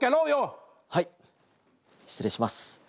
はい失礼します。